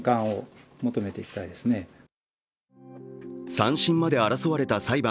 ３審まで争われた裁判。